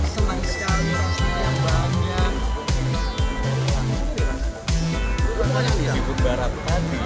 kru yang akan menempatkan kursi di belakang layar